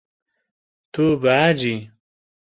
Tu behecî.